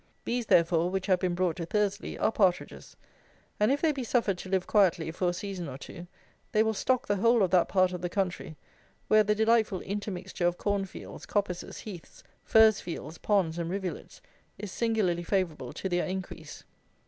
These, therefore, which have been brought to Thursley, are partridges; and if they be suffered to live quietly for a season or two, they will stock the whole of that part of the country, where the delightful intermixture of corn fields, coppices, heaths, furze fields, ponds, and rivulets is singularly favourable to their increase.